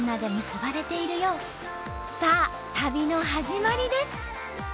さあ旅の始まりです！